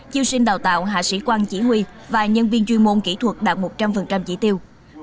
chiêu sinh đào tạo hạ sĩ quan chỉ huy và nhân viên chuyên môn kỹ thuật đạt một trăm linh chỉ tiêu